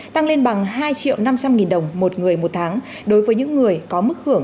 tăng lên bằng hai triệu năm trăm linh nghìn đồng một người một tháng đối với những người có mức hưởng